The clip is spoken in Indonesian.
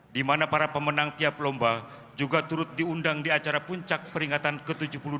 di mana para pemenang tiap lomba juga turut diundang di acara puncak peringatan ke tujuh puluh dua